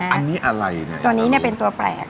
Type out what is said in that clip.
อันนี้อะไรนะตัวนี้เนี่ยเป็นตัวแปลก